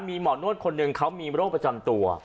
มีหมอนวดคนหนึ่งเขามีโรคประจำตัว